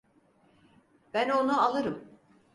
Ben onu alırım.